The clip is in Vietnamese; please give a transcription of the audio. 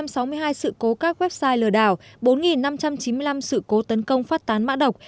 cụ thể một bảy trăm sáu mươi hai sự cố các website lừa đảo bốn năm trăm chín mươi năm sự cố tấn công phát tán mã đọc